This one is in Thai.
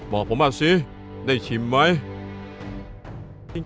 บอกผมมาสิได้ชิมไหม